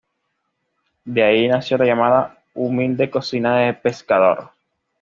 De ahí nació la llamada’ humilde cocina del pescador’.